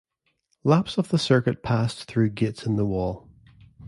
Laps of the circuit passed through gates in the wall.